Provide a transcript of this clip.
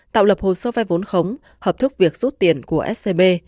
tạo lập hồ sơ vay vốn khống hợp thức việc rút tiền của scb